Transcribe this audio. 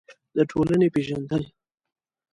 د ټولنې پېژندل: